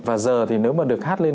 và giờ thì nếu mà được hát lên